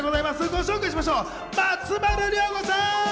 ご紹介しましょう、松丸亮吾さん！